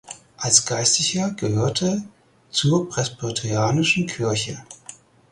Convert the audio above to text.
Als Geistlicher gehörte zur Presbyterianischen Kirche.